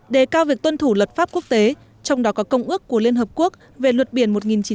đề cao việc tuân thủ luật pháp quốc tế trong đó có công ước của liên hợp quốc về luật biển một nghìn chín trăm tám mươi hai